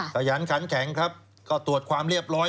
ขยันขันแข็งครับก็ตรวจความเรียบร้อย